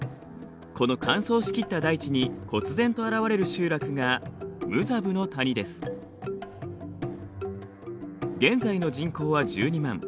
この乾燥しきった大地にこつ然と現れる集落が現在の人口は１２万。